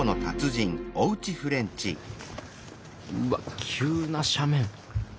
うわっ急な斜面。